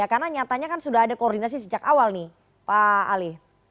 karena nyatanya kan sudah ada koordinasi sejak awal nih pak ali